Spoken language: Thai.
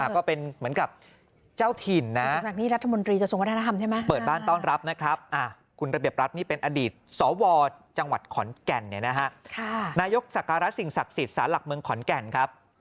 ก็เป็นเหมือนกับเจ้าถิ่นนะ